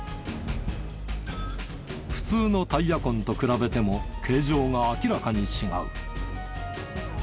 普通のタイヤ痕と比べても形状が明らかに違う。